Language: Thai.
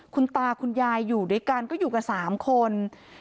คุณตาคุณยายอยู่ด้วยกันก็อยู่กัน๓คน